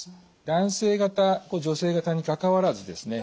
男性型女性型にかかわらずですね